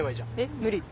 無理。